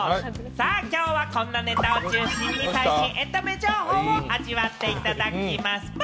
きょうはこんなネタを中心に最新エンタメ情報を味わっていただきますよ。